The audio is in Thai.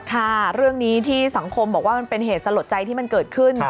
ค่ะเรื่องนี้ที่สังคมบอกว่ามันเป็นเหตุสลดใจที่มันเกิดขึ้น